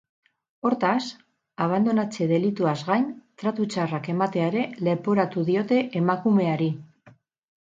Hortaz, abandonatze delituaz gain, tratu txarrak ematea ere leporatu diote emakumeari.